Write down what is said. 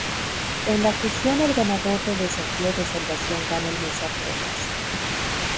En la fusión el ganador del desafío de salvación gana el mensaje de casa.